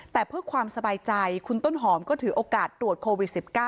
แต่เพื่อความสบายใจคุณต้นหอมก็ถือโอกาสตรวจโควิด๑๙